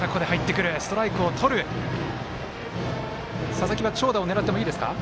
佐々木は長打を狙ってもいいですか。